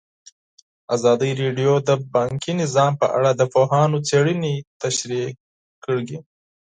ازادي راډیو د بانکي نظام په اړه د پوهانو څېړنې تشریح کړې.